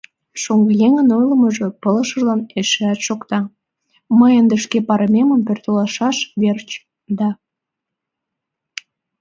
Шоҥгыеҥын ойлымыжо пылышыжлан эшеат шокта: «Мый ынде шке парымем пӧртылтышаш верч да